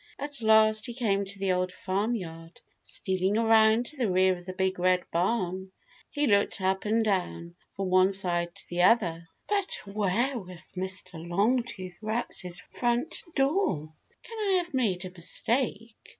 At last he came to the Old Farm Yard. Stealing around to the rear of the Big Red Barn, he looked up and down, from one side to the other, but where was Mr. Longtooth Rat's front door? "Can I have made a mistake?"